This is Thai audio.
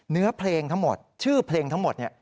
เนื้อเพลงทั้งหมดชื่อเพลงทั้งหมดเนี่ย